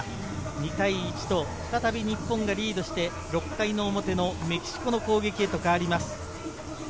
２対１、再び日本がリードして、６回の表のメキシコの攻撃へと変わります。